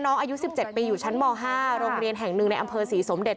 อายุ๑๗ปีอยู่ชั้นม๕โรงเรียนแห่งหนึ่งในอำเภอศรีสมเด็จ